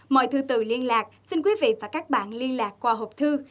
mọi thư từ liên lạc xin quý vị và các bạn liên lạc qua hộp thư